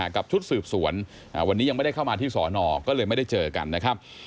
กับชุดสืบสวนวันนี้ยังไม่ได้เข้ามาที่สอนอก็เลยไม่ได้เจอกันนะครับ